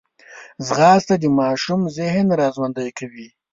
ځغاسته د ماشوم ذهن راژوندی کوي